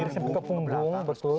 sampai ke punggung betul